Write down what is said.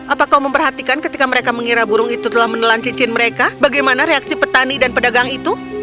apakah kau memperhatikan ketika mereka mengira burung itu telah menelan cincin mereka bagaimana reaksi petani dan pedagang itu